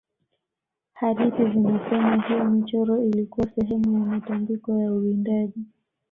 hadithi zinasema hiyo michoro ilikuwa sehemu ya matambiko ya uwindaji